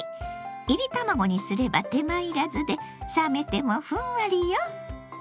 いり卵にすれば手間いらずで冷めてもふんわりよ。